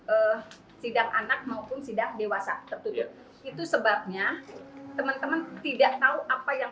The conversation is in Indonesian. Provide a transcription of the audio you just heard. eh sidang anak maupun sidang dewasa tertutup itu sebabnya teman teman tidak tahu apa yang